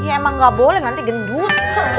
ya emang gak boleh nanti gendut